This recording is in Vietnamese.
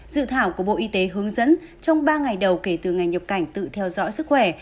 dự thảo của bộ y tế hướng dẫn trong ba ngày đầu kể từ ngày nhập cảnh tự theo dõi sức khỏe